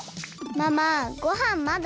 ママごはんまだ？